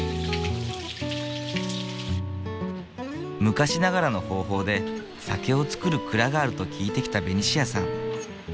昔ながらの方法で酒を造る蔵があると聞いてきたベニシアさん。